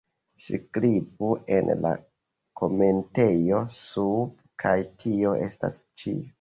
Skribu en la komentejo sube kaj tio estas ĉio